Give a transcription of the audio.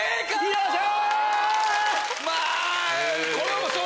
よっしゃ！